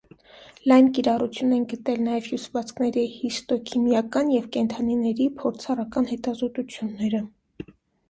Լայն կիրառություն են գտել նաև հյուսվածքների հիստոքիմիական և կենդանիների փորձառական հետազոտությունները։